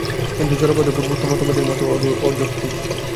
কিন্তু জড়বাদও পূর্বোক্ত মতবাদেরই মত অযৌক্তিক।